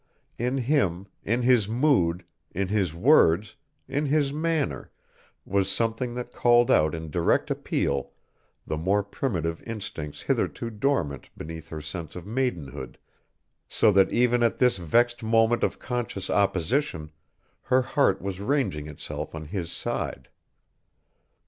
In him, in his mood, in his words, in his manner, was something that called out in direct appeal the more primitive instincts hitherto dormant beneath her sense of maidenhood, so that even at this vexed moment of conscious opposition, her heart was ranging itself on his side.